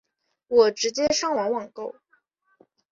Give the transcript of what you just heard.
我直接上网网购